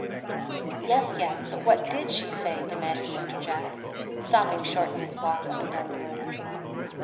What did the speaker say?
"Yes, yes, but what did she say?" demanded Mr. Jack, stopping short in his walk up and down the room.